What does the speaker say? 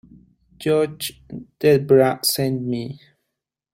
Judge Debra sent me.